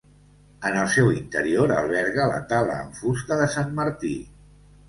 En el seu interior alberga la tala en fusta de Sant Martí.